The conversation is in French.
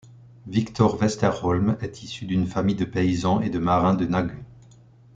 Victor Westerholm est issu d'une famille de paysans et de marins de Nagu.